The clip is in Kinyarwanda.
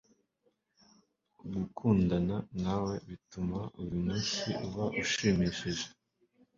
gukundana nawe bituma buri munsi uba ushimishije